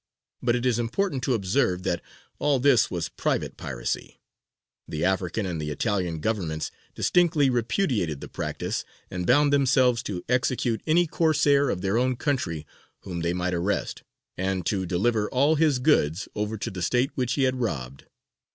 But it is important to observe that all this was private piracy: the African and the Italian governments distinctly repudiated the practice, and bound themselves to execute any Corsair of their own country whom they might arrest, and to deliver all his goods over to the state which he had robbed.